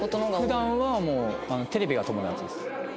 普段はもうテレビが友達です。